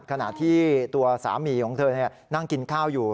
ขณะที่ตัวสามีของเธอนั่งกินข้าวอยู่